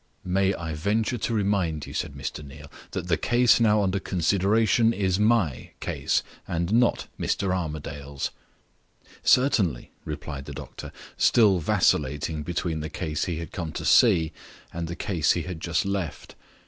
"Might I venture to remind you," said Mr. Neal, "that the case now under consideration is MY case, and not Mr. Armadale's?" "Certainly," replied the doctor, still vacillating between the case he had come to see and the case he had just left.